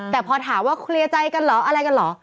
แต่พอถามว่าเคลียร์ใจกันเหรออะไรกันเหรอ